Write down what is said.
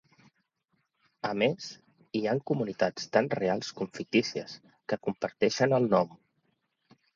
A més, hi han comunitats tant reals com fictícies que comparteixen el nom.